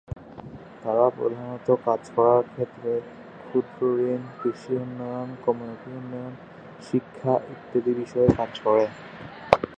তারা প্রধানত কাজ করার ক্ষেত্রে ক্ষুদ্রঋণ, কৃষি উন্নয়ন, কমিউনিটি উন্নয়ন, শিক্ষা ইত্যাদি বিষয়ে কাজ করে।